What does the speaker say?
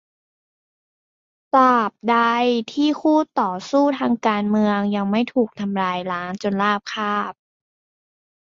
ตราบใดที่คู่ต่อสู้ทางการเมืองยังไม่ถูกทำลายล้างจนราบคาบ